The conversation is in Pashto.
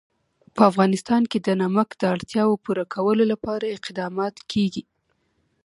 په افغانستان کې د نمک د اړتیاوو پوره کولو لپاره اقدامات کېږي.